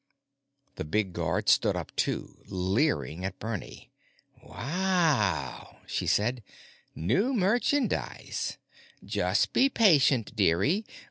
The big guard stood up too, leering at Bernie. "Wow!" she said. "New merchandise. Just be patient, dearie.